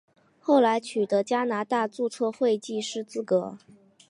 后来取得加拿大注册会计师资格。